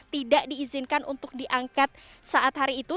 tidak diizinkan untuk diangkat saat hari itu